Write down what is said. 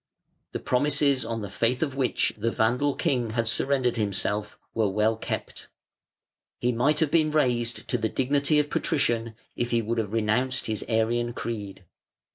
The promises on the faith of which the Vandal king had surrendered himself were well kept. He might have been raised to the dignity of Patrician, if he would have renounced his Arian creed.